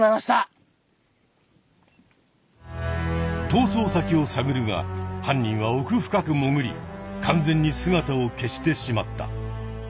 とう走先をさぐるが犯人はおく深くもぐり完全に姿を消してしまった。